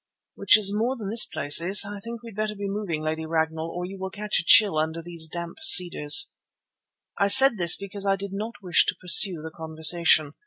"Which is more than this place is. I think we had better be moving, Lady Ragnall, or you will catch a chill under these damp cedars." I said this because I did not wish to pursue the conversation.